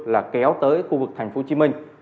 là kéo tới khu vực tp hcm